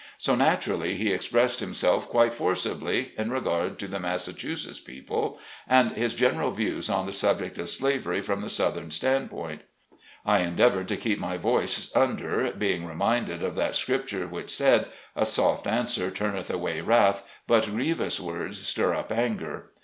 So, naturally, he expressed himself quite forcibly in regard to the Massachusetts people, and his general views on the subject of slavery from the southern stand point. I endeavored to keep my voice under, being reminded 74 SLAVE CABIN TO PULPIT. of that scripture which said :" A soft answer turn eth away wrath, but grievous words stir up anger."